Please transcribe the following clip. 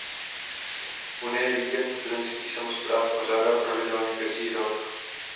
Unie Víkend studentských samospráv pořádá pravidelně každý rok.